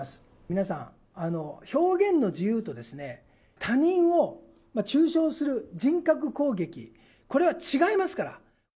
皆さん、表現の自由とですね、他人を中傷する人格攻撃、これは違いますから。